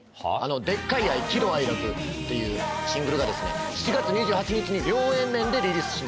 『でっかい愛／喜努愛楽』というシングルが７月２８日に両Ａ面でリリースします。